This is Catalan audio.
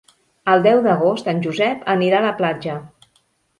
El deu d'agost en Josep anirà a la platja.